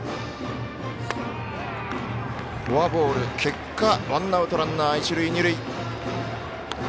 フォアボールワンアウト、ランナー、一塁二塁。